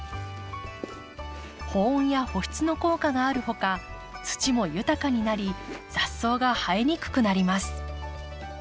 保温や保湿の効果があるほか土も豊かになり雑草が生えにくくなります。